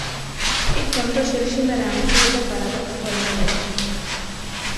I v tomto širším rámci lze paradox formulovat.